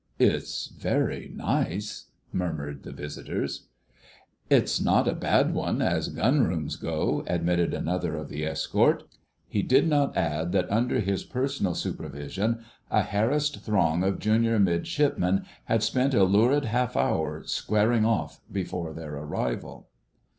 "It's very nice," murmured the visitors. "It's not a bad one, as Gunrooms go," admitted another of the escort. He did not add that under his personal supervision a harassed throng of junior Midshipmen had pent a lurid half hour "squaring off" before their arrival.